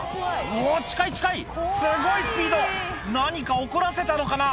うわ近い近いすごいスピード何か怒らせたのかな？